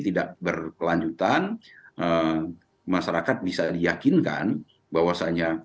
tidak berkelanjutan masyarakat bisa diyakinkan bahwasannya